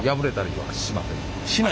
はい。